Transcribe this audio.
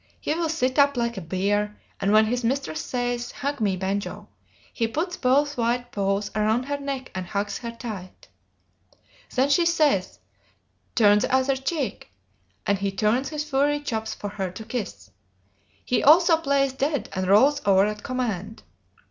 He will sit up like a bear, and when his mistress says, "Hug me, Banjo," he puts both white paws around her neck and hugs her tight. Then she says, "Turn the other cheek," and he turns his furry chops for her to kiss. He also plays "dead," and rolls over at command.